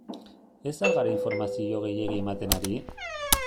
Ez al gara informazio gehiegi ematen ari?